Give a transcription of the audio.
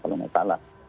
kalau naya salah